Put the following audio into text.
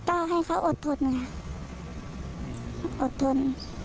ให้เขาอดทนค่ะอดทน